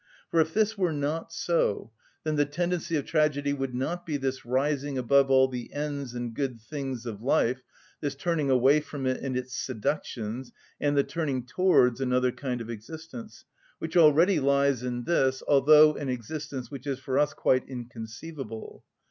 For if this were not so, then the tendency of tragedy would not be this rising above all the ends and good things of life, this turning away from it and its seductions, and the turning towards another kind of existence, which already lies in this, although an existence which is for us quite inconceivable.